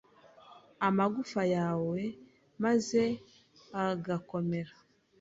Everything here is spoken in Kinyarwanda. amagufa yawe maze agakomera,